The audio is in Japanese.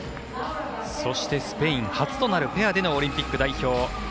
そして、スペイン初となるペアでのオリンピック代表。